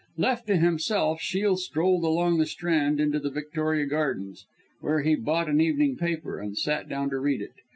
Left to himself, Shiel strolled along the Strand into the Victoria Gardens, where he bought an evening paper, and sat down to read it.